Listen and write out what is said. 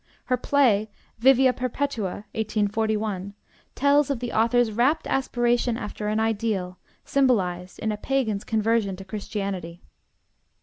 Her play, 'Vivia Perpetua' (1841), tells of the author's rapt aspiration after an ideal, symbolized in a pagan's conversion to Christianity.